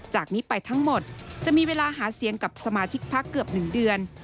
จากนี้ไปทั้งหมดจะมีเวลาหาเสียงกับสมาชิกพักเกือบ๑เดือน